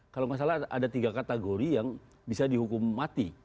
kalau nggak salah ada tiga kategori yang bisa dihukum mati